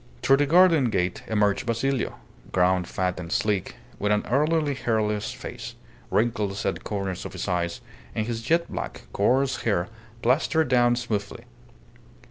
Through the garden gate emerged Basilio, grown fat and sleek, with an elderly hairless face, wrinkles at the corners of his eyes, and his jet black, coarse hair plastered down smoothly.